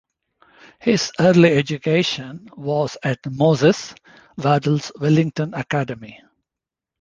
His early education was at Moses Waddel's Willington Academy.